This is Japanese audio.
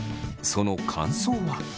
その感想は？